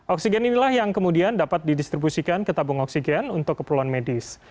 oksigen inilah yang kemudian dapat didistribusikan ke tabung oksigen untuk keperluan medis